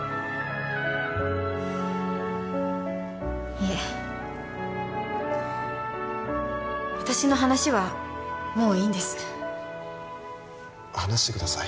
いえ私の話はもういいんです話してください